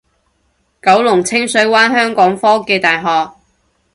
九龍清水灣香港科技大學